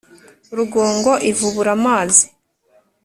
rugongo ivubura amazi ,